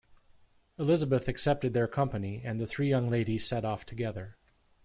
Elizabeth accepted their company, and the three young ladies set off together.